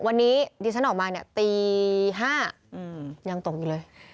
วันนี้ดิฉันออกมาเนี่ยตี๕ยังตกอยู่เลย